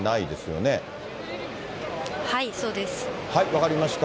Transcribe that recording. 分かりました。